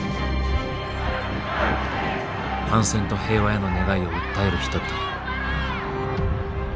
反戦と平和への願いを訴える人々。